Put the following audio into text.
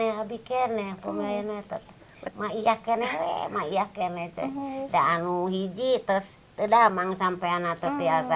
warna warni payung gelis menambah semarak suasana dan menegaskan eksistensinya sebagai simbol kota tasik malaya